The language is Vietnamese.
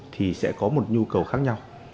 thì sẽ có một nhu cầu khác nhau